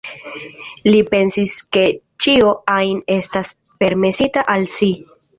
Li pensis ke ĉio ajn estas permesita al si.